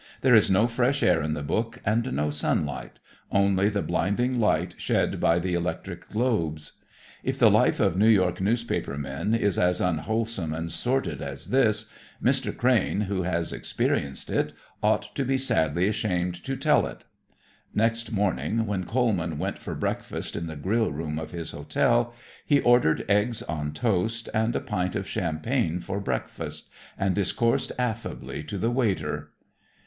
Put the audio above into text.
There is no fresh air in the book and no sunlight, only the "blinding light shed by the electric globes." If the life of New York newspaper men is as unwholesome and sordid as this, Mr. Crane, who has experienced it, ought to be sadly ashamed to tell it. Next morning when Coleman went for breakfast in the grill room of his hotel he ordered eggs on toast and a pint of champagne for breakfast and discoursed affably to the waiter.